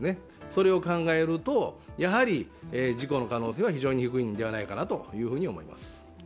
それを考えると、やはり事故の可能性は非常に低いんではないかなと思います。